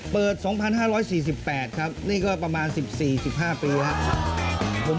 เปิด๒๕๔๘ครับนี่ก็ประมาณ๑๔๑๕ปีแล้วครับ